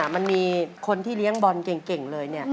มันมีคนที่เลี้ยงบอลเก่งเลย